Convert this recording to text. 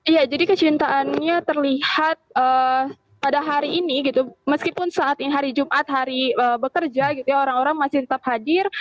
ya jadi kecintaannya terlihat pada hari ini meskipun hari jumat hari bekerja orang orang masih tetap hadir